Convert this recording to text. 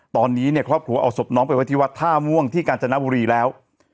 ตอนนี้เนี่ยครอบครัวเอาศพน้องไปไว้ที่วัดท่าม่วงที่กาญจนบุรีแล้ว